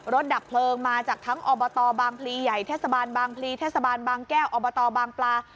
ดับเพลิงมาจากทั้งอบตบางพลีใหญ่เทศบาลบางพลีเทศบาลบางแก้วอบตบางปลา